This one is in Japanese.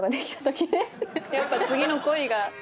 やっぱ次の恋が。